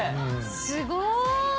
すごい！